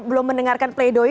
belum mendengarkan play doh